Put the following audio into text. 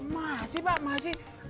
masih pak masih